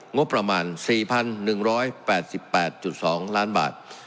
งบประมาณ๔๑๘๘๒ล้านบาท